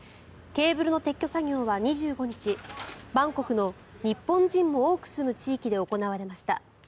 ケーブルの撤去作業は２５日、バンコクの日本人も多く住む地域で行われました。